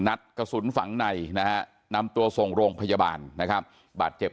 นัดกระสุนฝังในนะฮะนำตัวส่งโรงพยาบาลนะครับบาดเจ็บ